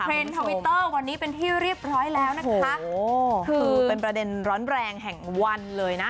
ทวิตเตอร์วันนี้เป็นที่เรียบร้อยแล้วนะคะโอ้คือเป็นประเด็นร้อนแรงแห่งวันเลยนะ